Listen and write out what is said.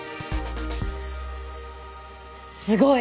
すごい！